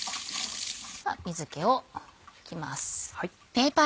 水気を拭きます。